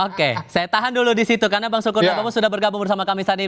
oke saya tahan dulu di situ karena bang sukur dan bapak sudah bergabung bersama kami saat ini